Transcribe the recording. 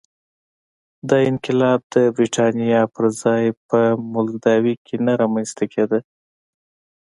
دا انقلاب د برېټانیا پر ځای په مولداوي کې نه رامنځته کېده.